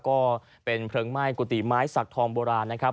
ก็เป็นเพลิงไหม้กุฏิไม้สักทองโบราณนะครับ